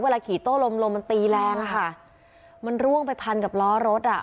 ขี่โต้ลมลมมันตีแรงอ่ะค่ะมันร่วงไปพันกับล้อรถอ่ะ